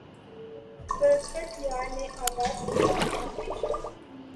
فرقت یار نے آباد کیا آخر شب